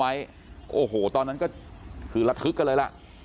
พี่บูรำนี้ลงมาแล้ว